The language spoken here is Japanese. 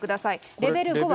レベル５は。